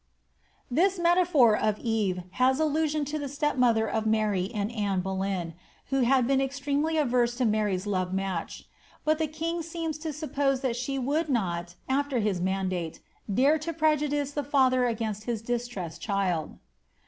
This metaphor of Eve has allusion to the step mother of Mary and Anne Bole3rn, who had been extremely averse to Mary's love match ; bot the king seems to suppose that she would not, after his mandate, dve to prejudice the fiUher against his distressed child.